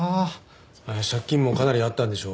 借金もかなりあったんでしょ？